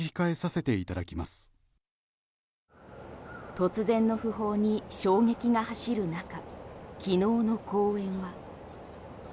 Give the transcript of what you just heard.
突然の訃報に衝撃が走る中昨日の公演は。